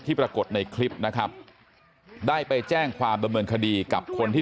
ปรากฏในคลิปนะครับได้ไปแจ้งความดำเนินคดีกับคนที่